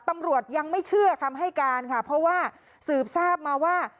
ตำรวจยังไม่เชื่อคำให้การค่ะเพราะว่าสืบทราบมาว่า